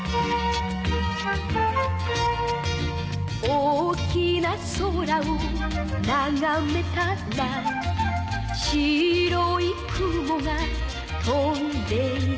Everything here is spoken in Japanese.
「大きな空をながめたら」「白い雲が飛んでいた」